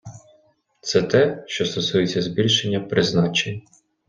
Це те, що стосується збільшення призначень.